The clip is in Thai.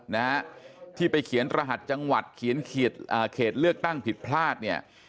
นะฮะที่ไปเขียนรหัสจังหวัดเขียนเขตอ่าเขตเลือกตั้งผิดพลาดเนี่ย